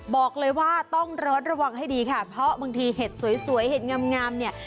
บอกเลยว่าต้องระมัดระวังให้ดีค่ะเพราะบางทีเห็ดสวยเห็ดงามเนี่ย